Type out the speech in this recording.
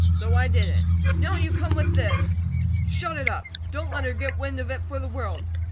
So I did it. Now you come with this. Shut it up! Don't let her get wind of it for the world!"